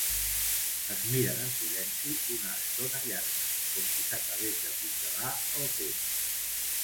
Es miren en silenci una estona llarga, com si s'acabés de congelar el temps.